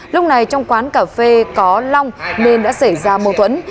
lúc này trong quán cà phê có long nên đã xảy ra mâu thuẫn